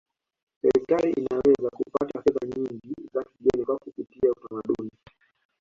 serikali inaweza kupata fedha nyingi za kigeni kwa kupitia utamaduni